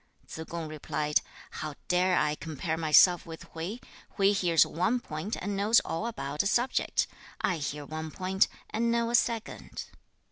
2. Tsze kung replied, 'How dare I compare myself with Hui? Hui hears one point and knows all about a subject; I hear one point, and know a second.'